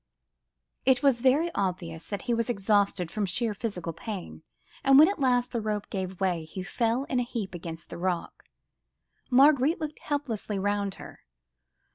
It was very obvious that he was exhausted from sheer physical pain, and when at last the rope gave way, he fell in a heap against the rock. Marguerite looked helplessly round her.